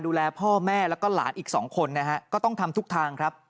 ดูแลพ่อแม่แล้วก็หลานอีกสองคนนะฮะก็ต้องทำทุกทางครับ